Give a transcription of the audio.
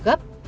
đã được gấp